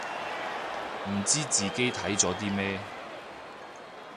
唔知自己睇咗啲咩